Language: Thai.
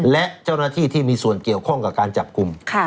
และเจ้าหน้าที่ที่มีส่วนเกี่ยวข้องกับการจับกลุ่ม